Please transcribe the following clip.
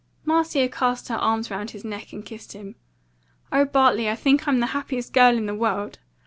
Marcia cast her arms round his neck and kissed him. "O Bartley, I think I'm the happiest girl in the world!